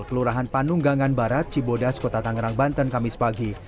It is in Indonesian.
kelurahan panung gangan barat cibodas kota tanggerang banten kamis pagi